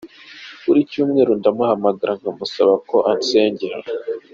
Buri cyumweru ndamuhamagara nkamusaba ko asengera.